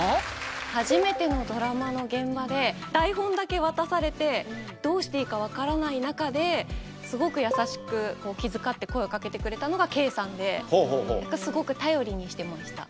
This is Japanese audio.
初めてのドラマの現場で、台本だけ渡されて、どうしていいか分からない中で、すごく優しく気遣って声をかけてくれたのがＫさんで、すごく頼りにしてました。